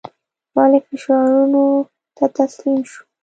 والي فشارونو ته تسلیم شو.